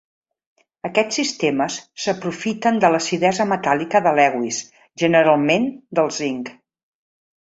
Aquests sistemes s'aprofiten de l'acidesa metàl·lica de Lewis, generalment del zinc.